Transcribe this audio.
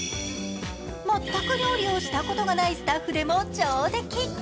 全く料理をしたことがないスタッフでも上出来。